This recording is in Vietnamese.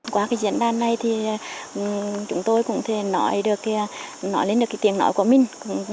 qua cái diễn đàn này thì chúng tôi cũng thể nói lên được cái tiếng nói của mình